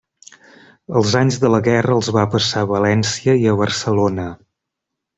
Els anys de la guerra els va passar a València i a Barcelona.